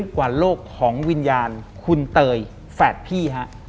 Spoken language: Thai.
กว่าโลกของวิญญาณคุณเตยแฝดพี่ฮะ